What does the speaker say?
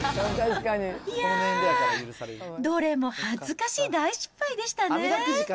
いやー、どれも恥ずかしい大失敗でしたね。